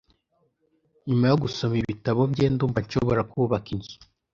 Nyuma yo gusoma ibitabo bye ndumva nshobora kubaka inzu.